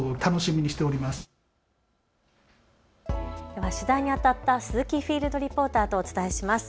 では取材にあたった鈴木フィールドリポーターとお伝えします。